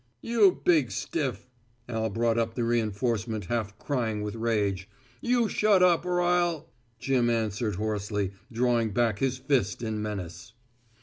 "You big stiff," Al brought up the reënforcement half crying with rage. "You shut up or I'll " Jim answered hoarsely, drawing back his fist in menace.